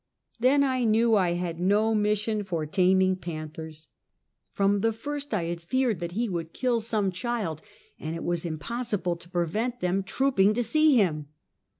Then I knew I had no mis sion for taming panthers. From the first I had feared that he would kill some child, and it was impossible to prevent them trooping to see him.